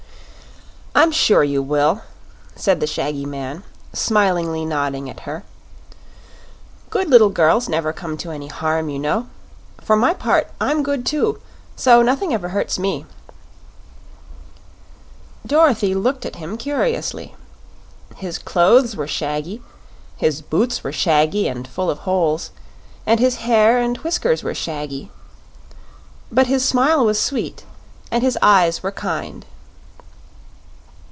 "I'm sure you will," said the shaggy man, smilingly nodding at her. "Good little girls never come to any harm, you know. For my part, I'm good, too; so nothing ever hurts me." Dorothy looked at him curiously. His clothes were shaggy, his boots were shaggy and full of holes, and his hair and whiskers were shaggy. But his smile was sweet and his eyes were kind.